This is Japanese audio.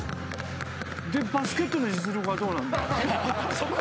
でバスケットの実力はどうなの？